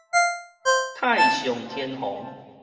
太上天皇